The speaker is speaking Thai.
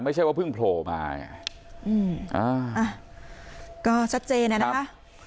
ไม่ใช่ว่าเพิ่งโผล่มาอ่ะอืมอ่าก็ชัดเจนอ่ะนะคะ